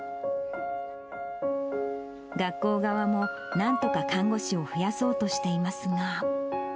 学校側もなんとか看護師を増やそうとしていますが。